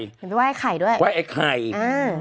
ไปไหว้ไอ้ไข่ด้วย